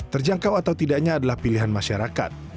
terjangkau atau tidaknya adalah pilihan masyarakat